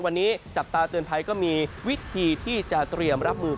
วันนี้จับตาเตือนภัยก็มีวิธีที่จะเตรียมรับมือ